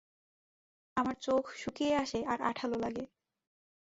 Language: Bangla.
আমার চোখ শুকিয়ে আসে আর আঠালো লাগে।